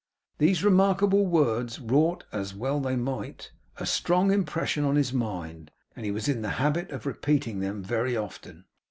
These remarkable words wrought (as well they might) a strong impression on his mind, and he was in the habit of repeating them very often.